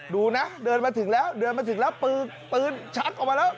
ดูนะเดินมาถึงแล้วเดินมาถึงแล้วปืนชักออกมาแล้ว